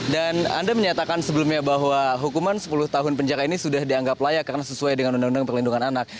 dan anda menyatakan sebelumnya bahwa hukuman sepuluh tahun penjara ini sudah dianggap layak karena sesuai dengan undang undang perlindungan anak